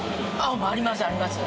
ありますあります。